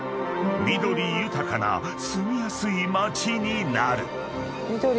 ［緑豊かな住みやすい街になる］